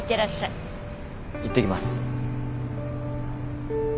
いってきます。